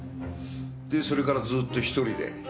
でそれからずっと１人で。